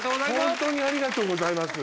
ホントにありがとうございます